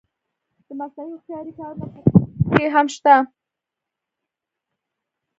د مصنوعي هوښیارۍ کارونه په ښوونه کې هم شته.